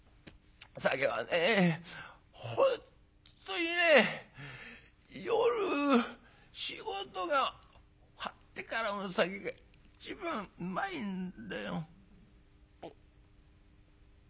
本当にね夜仕事が終わってからの酒が一番うまいんだよ」。